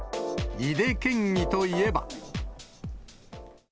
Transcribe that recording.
井手県議といえば。